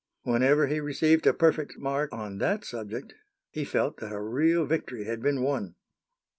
Whenever he received a perfect mark on that subject, he felt that a real victory had been won.